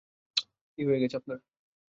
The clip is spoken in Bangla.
কী হয়ে গিয়েছে আপনার?